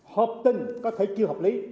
học tình có thể chưa học lý